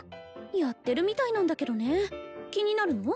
やってるみたいなんだけどね気になるの？